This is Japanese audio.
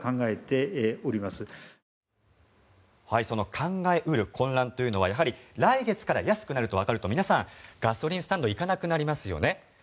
その考え得る混乱というのはやはり来月から安くなるとわかると皆さん、ガソリンスタンドに行かなくなりますよね。